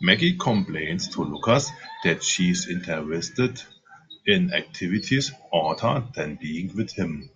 Maggie complains to Lucas that she's interested in activities other than being with him.